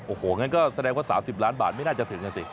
โอ้โหงั้นก็แสดงว่า๓๐ล้านบาทไม่น่าจะถึงอ่ะสิ